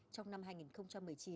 trong năm hai nghìn một mươi chín